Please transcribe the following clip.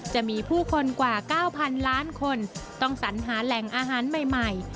จะมีผู้คนกว่า๙๐๐ล้านคนต้องสัญหาแหล่งอาหารใหม่